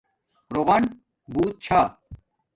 رُوغن بوت چھا